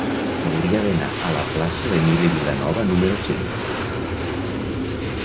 Hauria d'anar a la plaça d'Emili Vilanova número cinc.